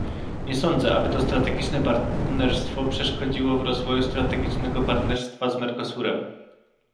Nie sądzę, aby to strategiczne partnerstwo przeszkodziło w rozwoju strategicznego partnerstwa z Mercosurem